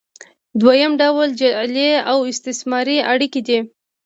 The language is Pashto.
دویم ډول جعلي او استثماري اړیکې دي.